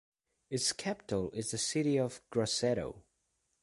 Its capital is the city of Grosseto.